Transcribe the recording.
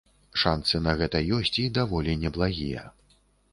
Шанцы на гэта ёсць, і даволі неблагія.